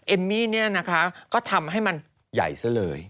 เอมมี่เนี่ยนะคะก็ทำให้มันใหญ่ซะเลย